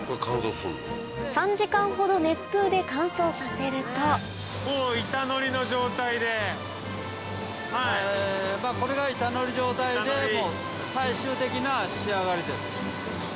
３時間ほど熱風で乾燥させるとこれが板のり状態で最終的な仕上がりです。